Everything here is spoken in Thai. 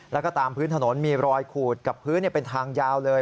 แล้วก็ตามพื้นถนนมีรอยขูดกับพื้นเป็นทางยาวเลย